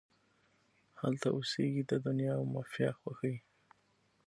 هلته اوسیږې د دنیا او مافیها خوښۍ